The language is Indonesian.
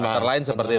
antara lain seperti itu